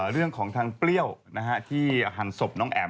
เรื่องของทางเปรี้ยวที่หันศพน้องแอ๋ม